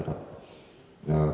mohon pak berubah